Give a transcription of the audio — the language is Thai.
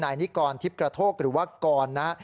นิกรทิพย์กระโทกหรือว่ากรนะ